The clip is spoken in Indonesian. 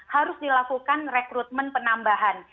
harus dilakukan rekrutmen penambahan